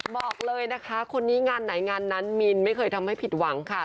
บอกเลยนะคะคนนี้งานไหนงานนั้นมินไม่เคยทำให้ผิดหวังค่ะ